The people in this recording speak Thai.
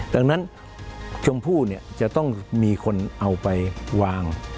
ดังนั้นชมพู่จะต้องมีคนเอาไปวาง